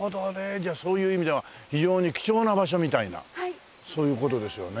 じゃあそういう意味では非常に貴重な場所みたいなそういう事ですよね。